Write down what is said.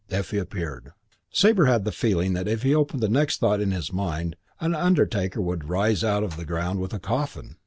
Effie appeared. Sabre had the feeling that if he opened the next thought in his mind, an undertaker would rise out of the ground with a coffin.